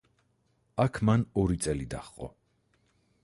აქ მან ორი წელი დაჰყო.